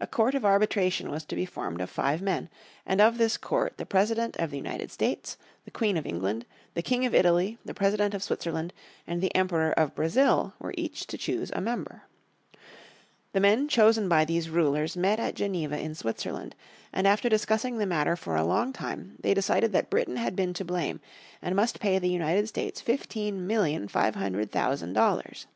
A Court of Arbitration was to be formed of five men; and of this court the President of the United States, the Queen of England, the King of Italy, the President of Switzerland, and the Emperor of Brazil, were each to choose a member. The men chosen by these rulers met at Geneva in Switzerland, and after discussing the matter for a long time they decided that Britain had been to blame, and must pay the United States fifteen million five hundred thousand dollars.